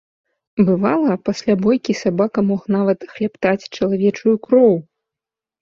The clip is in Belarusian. Бывала, пасля бойкі сабака мог нават хлябтаць чалавечую кроў.